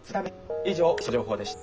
以上気象情報でした。